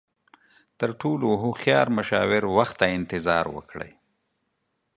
تر ټولو هوښیار مشاور، وخت ته انتظار وکړئ.